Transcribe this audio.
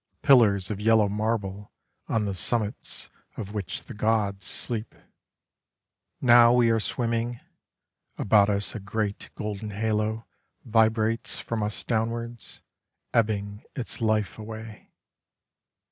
Pillars of yellow marble On the summits of which the gods sleep. Now we are swimming; About us a great golden halo Vibrates from us downwards, Ebbing its life away.